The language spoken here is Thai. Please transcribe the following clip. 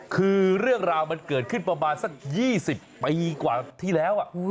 คือเรื่องราวมันเกิดขึ้นประมาณสัก๒๐ปีกว่าที่แล้ว